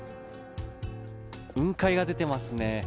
雲海が出ていますね。